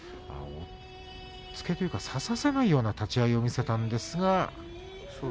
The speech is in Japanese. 押っつけというか差させないような立ち合いを見せたんですが。